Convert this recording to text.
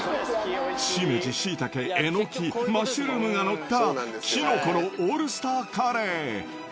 シメジ、シイタケ、エノキ、マッシュルームが載ったきのこのオールスターカレー。